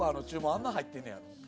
あんな入ってんねや。